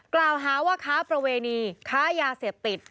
กล่าวหาว่าค้าประเวณีค้ายาเสพติด